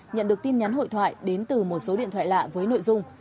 nhận được tin nhắn hội thoại đến từ một số điện thoại lạ với nội dung